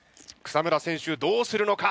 草村選手どうするのか！？